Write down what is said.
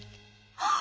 ああ！